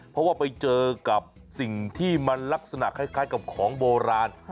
เพราะว่าไปเจอกับสิ่งที่มันลักษณะคล้ายกับของโบราณ